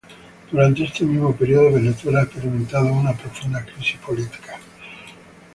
Durante este mismo periodo Venezuela ha experimentado una profunda crisis política.